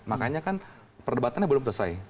makanya kan perdebatannya belum selesai